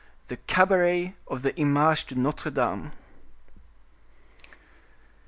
The Cabaret of the Image de Notre Dame.